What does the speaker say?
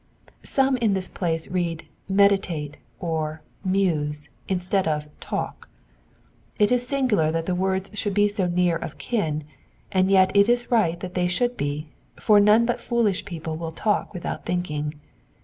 Some in this place read meditate*' or *'musc instead of talk; it is singular that the words should be so near of kin, and yet it is right that they should be, for none but foolish people will talk without thinking.